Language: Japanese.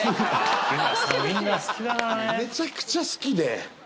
めちゃくちゃ好きで。